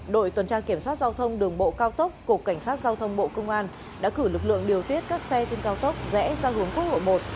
đội tuần tra kiểm soát giao thông đường bộ cao tốc cục cảnh sát giao thông bộ công an đã cử lực lượng điều tiết các xe trên cao tốc rẽ ra hướng quốc lộ một